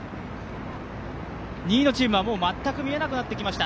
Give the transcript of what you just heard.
２位のチームは全く見えなくなってきました。